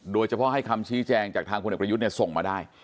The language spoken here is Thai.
โดยเฉพาะให้คำชี้แจงจากทางพลเอกประยุทธ์ส่งมาได้